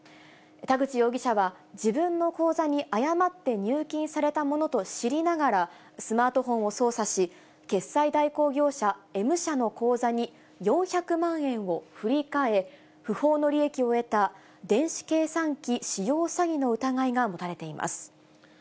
田口容疑者は、自分の口座に誤って入金されたものと知りながら、スマートフォンを操作し、決済代行業者、Ｍ社の口座に４００万円を振り替え、不法の利益を得た、電子計算機使用詐欺の疑いが持たれています。